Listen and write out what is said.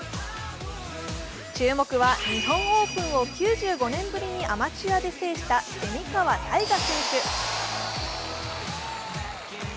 注目は日本オープンを９５年ぶりにアマチュアで制した蝉川泰果選手。